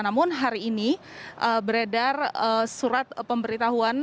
namun hari ini beredar surat pemberitahuan